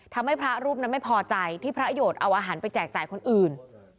ทำให้พระรูปนั้นไม่พอใจที่พระโยชน์เอาอาหารไปแจกจ่ายคนอื่น